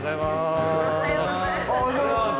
おはようございます。